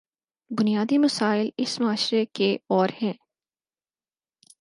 بنیادی مسائل اس معاشرے کے اور ہیں۔